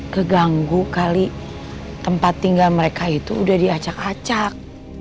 keganggu kali tempat tinggal mereka itu udah diacak acak